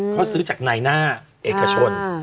เขาซื้อจากนายหน้าเอกชน